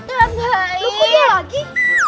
lupa dia lagi